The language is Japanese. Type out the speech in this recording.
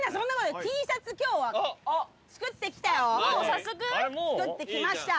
早速？作ってきました。